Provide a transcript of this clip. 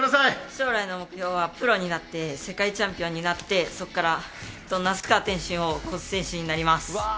将来の目標はプロになって世界チャンピオンになって那須川天心を超す選手になります。